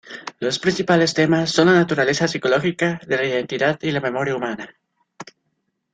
Los principales temas son la naturaleza psicológica de la identidad y la memoria humana.